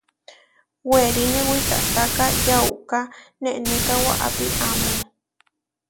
Weriné wikahtáka yauká nenéka waʼápi amó.